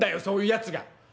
そういうやつが。